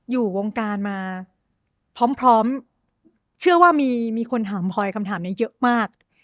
อยู่วงการมาพร้อมพร้อมเชื่อว่ามีคนถามพลอยคำถามนี้เยอะมาก